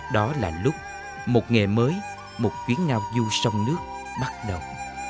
đó là lúc một nghề mới một chuyến ngao du sông nước bắt đầu